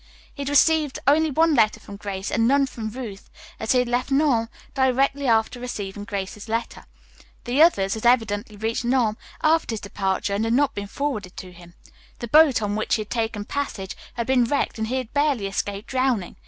He had received only one letter from Grace and none from Ruth, as he had left Nome directly after receiving Grace's letter. The others had evidently reached Nome after his departure and had not been forwarded to him. The boat on which he had taken passage had been wrecked and he had barely escaped drowning.